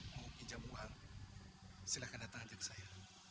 mau pinjam uang silakan datang aja saya